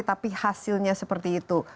tapi hasilnya seperti itu